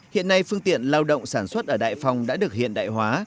hiện nay phương tiện lao động sản xuất ở đại phòng đã được hiện đại hóa